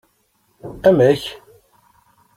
Amek?